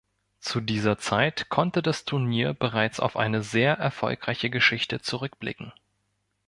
Zu dieser Zeit konnte das Turnier bereits auf eine sehr erfolgreiche Geschichte zurückblicken.